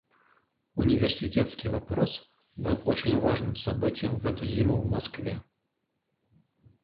Университетский вопрос был очень важным событием в эту зиму в Москве.